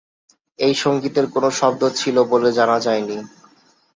এই সঙ্গীতের কোন শব্দ ছিল বলে জানা যায়নি।